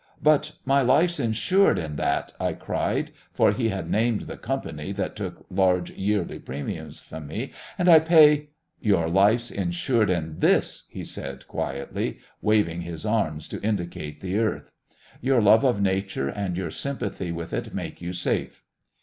"But my life's insured in that," I cried, for he had named the company that took large yearly premiums from me; "and I pay ..." "Your life's insured in this," he said quietly, waving his arms to indicate the Earth. "Your love of Nature and your sympathy with it make you safe."